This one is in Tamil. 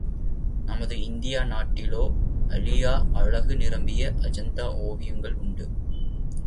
நமது இந்திய நாட்டிலோ, அழியா அழகு நிரம்பிய அஜந்தா ஓவியங்கள் உண்டு.